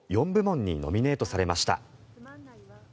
４部門にノミネートされました。